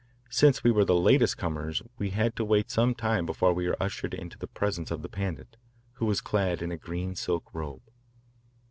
Since we were the latest comers we had to wait some time before we were ushered into the presence of the Pandit, who was clad in a green silk robe.